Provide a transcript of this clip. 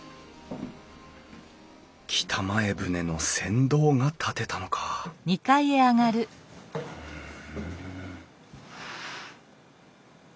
北前船の船頭が建てたのかん？